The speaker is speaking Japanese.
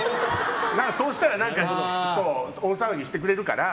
そうしたら大騒ぎしてくれるから。